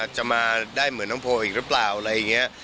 จะมาได้เหมือนน้องโพลอีกหรือเปล่าอะไรอย่างนี้